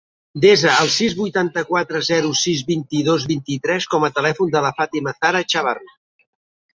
Desa el sis, vuitanta-quatre, zero, sis, vint-i-dos, vint-i-tres com a telèfon de la Fàtima zahra Echavarri.